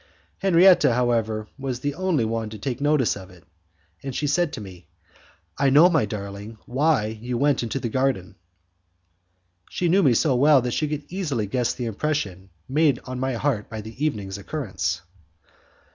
Henriette, however, was the only one to take notice of it, and she said to me, "I know, my darling, why you went into the garden" She knew me so well that she could easily guess the impression made on my heart by the evening's occurrence.